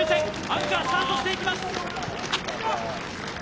アンカースタートしていきます。